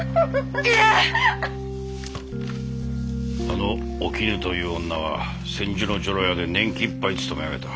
あのおきぬという女は千住の女郎屋で年季いっぱい勤め上げた。